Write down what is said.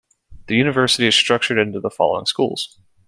The university is structured into the following schools.